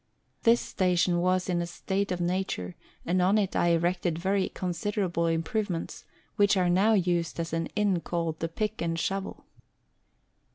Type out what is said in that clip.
This station was in a state of nature, and on it I erected very considerable improve ments, which are now used as an inn called the Pick and Shovel.